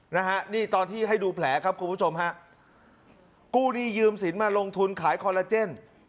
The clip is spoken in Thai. นะฮะนี่ตอนที่ให้ดูแผลครับคุณผู้ชมฮะกู้หนี้ยืมสินมาลงทุนขายคอลลาเจน